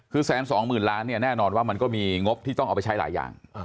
คือแสนสองหมื่นล้านเนี่ยแน่นอนว่ามันก็มีงบที่ต้องเอาไปใช้หลายอย่าง